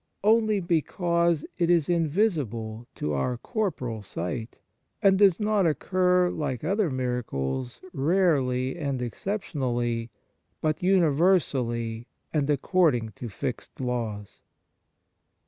Only because it is invisible to our corporal sight, and does not occur, like other miracles, rarely and exception ally, but universally and according to fixed laws.